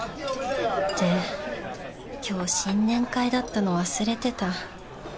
って今日新年会だったの忘れてた。